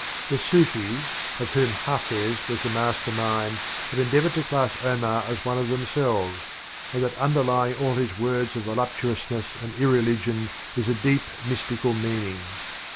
The Sufis, of whom Hafiz was the master mind, have endeavored to class Omar as one of them selves, and to assert that underlying all his works of voluptuousness and irreligion is a deep, mys tical meaning.